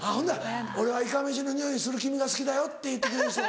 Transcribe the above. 「俺はいかめしの匂いする君が好きだよ」って言ってくれる人。